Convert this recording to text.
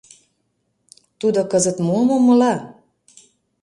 Тудо кызыт мом умыла?